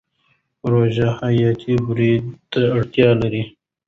پژو حیاتي بریا ته اړتیا لرله.